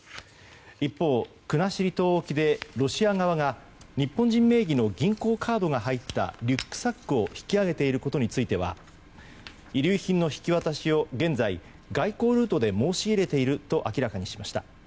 一方、国後島沖でロシア側が日本人名義の銀行カードが入ったリュックサックを引き揚げていることについては遺留品の引き渡しを現在、外交ルートで申し入れていると明らかにしました。